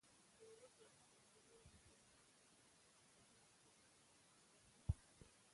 د یوه ځواکمن او پیاوړي ملت جوړول یوازې د هلو ځلو سره امکان لري.